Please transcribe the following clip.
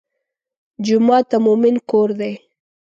جومات د مؤمن کور دی.